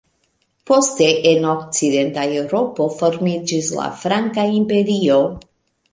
Poste en okcidenta Eŭropo formiĝis la franka imperio.